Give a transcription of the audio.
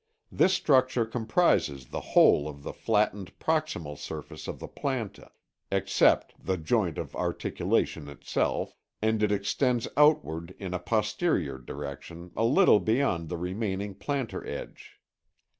This structure comprises the whole of the flattened proximal surface of the planta, except the joint of articulation itself, and it extends outward in a posterior direction a little beyond the remaining plantar edge.